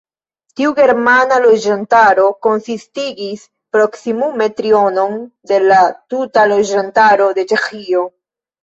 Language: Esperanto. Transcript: Tiu germana loĝantaro konsistigis proksimume trionon de la tuta loĝantaro de Ĉeĥio.